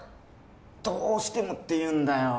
どうしてもって言うんだよ。